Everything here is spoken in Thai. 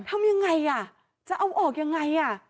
ทำยังไงอ่ะจะเอาออกยังไงอ่ะ